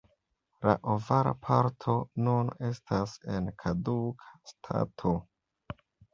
La ovala parto nun estas en kaduka stato.